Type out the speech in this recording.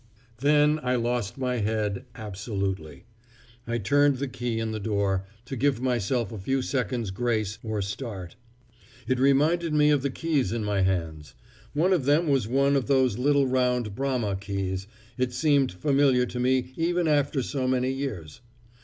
"Then I lost my head absolutely. I turned the key in the door, to give myself a few seconds' grace or start; it reminded me of the keys in my hands. One of them was one of those little round bramah keys. It seemed familiar to me even after so many years.